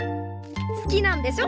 好きなんでしょ？